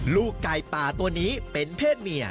ลูกไก่ป่าตัวนี้เป็นเพศเมีย